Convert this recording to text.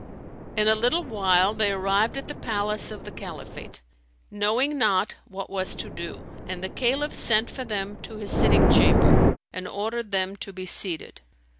In a little while they arrived at the palace of the Caliphate, knowing not what was to do, and the Caliph sent for them to his sitting chamber and ordered them to be seated.